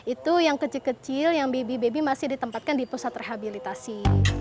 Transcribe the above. itu yang kecil kecil yang baby baby masih ditempatkan di pusat rehabilitasi